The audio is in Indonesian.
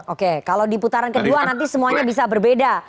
oke kalau di putaran kedua nanti semuanya bisa berbeda